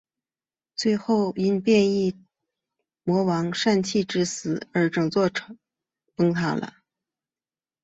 最后因变异魔王膻气之死而整座崩塌了。